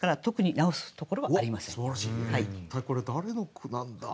一体これ誰の句なんだ？